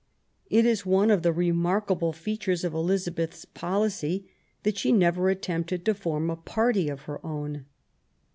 It is one of the remarkable features of Elizabeth's policy that she never attempted to form a party of her own.